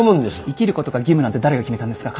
生きることが義務なんて誰が決めたんですか？